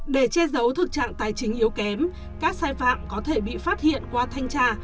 để che giấu thực trạng tài chính yếu kém các sai phạm có thể bị phát hiện qua thanh tra